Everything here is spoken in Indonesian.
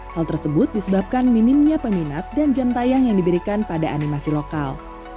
hal tersebut disebabkan minimnya peminat dan jam tayang yang diberikan pada animasi lokal